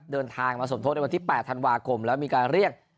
เดินทางมาสมทบในวันที่๘ธันวาคมแล้วมีการเรียก